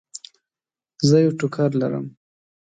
زه یو ټوکر لرم.